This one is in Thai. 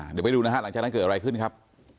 เดี๋ยวไปดูนะฮะหลังจากนั้นเกิดอะไรขึ้นครับ